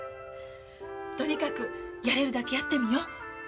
とにかくやれるだけやってみよ。